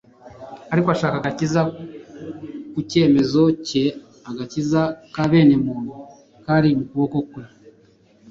ariko ashikama ku cyemezo cye. Agakiza ka bene muntu kari mu kuboko kwe,